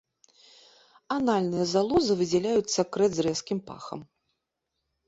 Анальныя залозы выдзяляюць сакрэт з рэзкім пахам.